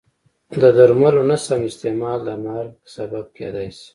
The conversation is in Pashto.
د درملو نه سم استعمال د مرګ سبب کېدای شي.